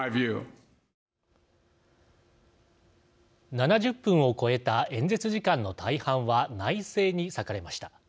７０分を超えた演説時間の大半は内政に割かれました。